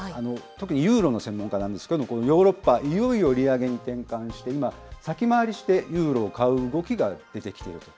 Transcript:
特にユーロの専門家なんですけれども、ヨーロッパ、いよいよ利上げに転換して、今、先回りしてユーロを買う動きが出てきていると。